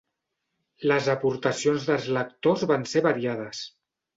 Les aportacions dels lectors van ser variades.